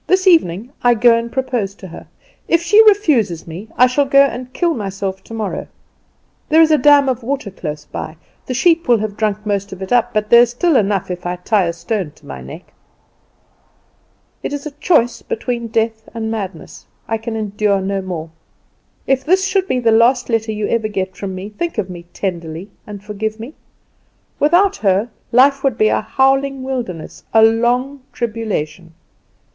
This evening I go and propose to her. If she refuses me I shall go and kill myself tomorrow. There is a dam of water close by. The sheep have drunk most of it up, but there is still enough if I tie a stone to my neck. "It is a choice between death and madness. I can endure no more. If this should be the last letter you ever get from me, think of me tenderly, and forgive me. Without her, life would be a howling wilderness, a long tribulation.